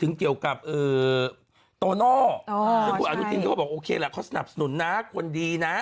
ล้อนกลีเตรนวิจัยสารสกัดจากกัลชา